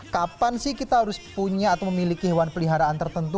kapan sih kita harus punya atau memiliki hewan peliharaan tertentu